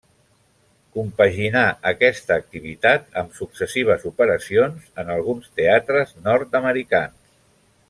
Compaginà aquesta activitat amb successives operacions en alguns teatres nord-americans.